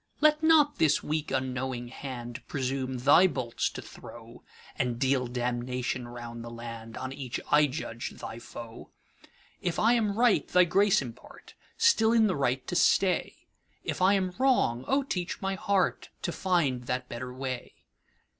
Let not this weak unknowing handPresume thy bolts to throw, And deal damnation round the landOn each I judge thy foe. If I am right, thy grace impart, Still in the right to stay; If I am wrong, O teach my heartTo find that better way.